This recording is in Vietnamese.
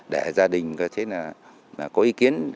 để gia đình có ý kiến